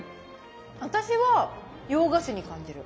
私は洋菓子に感じる。